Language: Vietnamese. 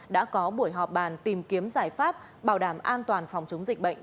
đã có buổi họp bàn tìm kiếm giải pháp bảo đảm an toàn phòng chống dịch bệnh